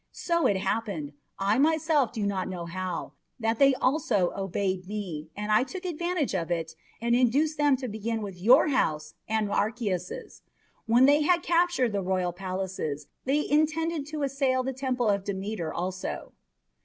So it happened I myself do not know how that they also obeyed me, and I took advantage of it and induced them to begin with your house and Archias's. When they had captured the royal palaces, they intended to assail the Temple of Demeter also."